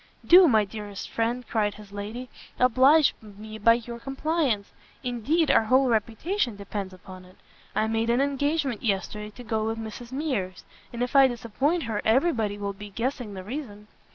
"Do, my dearest friend," cried his lady, "oblige me by your compliance; indeed our whole reputation depends upon it. I made an engagement yesterday to go with Mrs Mears, and if I disappoint her, every body will be guessing the reason."